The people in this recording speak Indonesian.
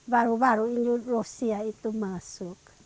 baru baru rusia itu masuk